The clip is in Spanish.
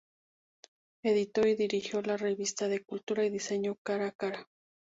Editó y dirigió la revista de cultura y diseño Cara a Cara.